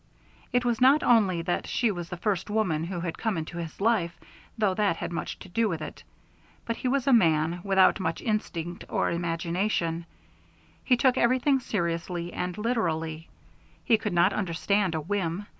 It was not only that she was the first woman who had come into his life, though that had much to do with it. But he was a man without much instinct or imagination; he took everything seriously and literally, he could not understand a whim.